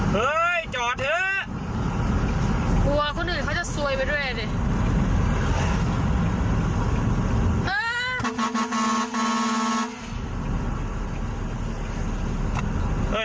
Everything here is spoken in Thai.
เฮ้ยจอดเถอะกลัวคนอื่นเขาจะซวยไปด้วยอ่ะดิ